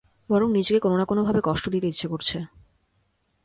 বরং নিজেকে কোনো-না-কোনোভাবে কষ্ট দিতে ইচ্ছে করছে।